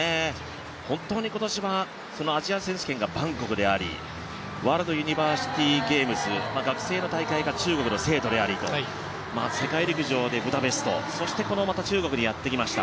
本当に今年はアジア選手権がバンコクでありワールドユニバーシティゲームズ、学生の大会が中国の成都でありと世界陸上でブダペストまた中国にやってきました。